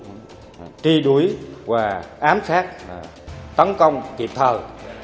có nghiệp vụ tri đuối và ám sát tấn công kịp thời